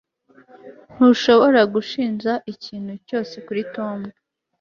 ntushobora gushinja iki kintu cyose kuri tom